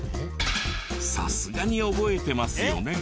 さすがに覚えてますよね？